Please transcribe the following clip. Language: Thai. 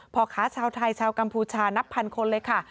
พ่อค้าชาวไทยชาวกัมพูชานับพันคนเลยค่ะ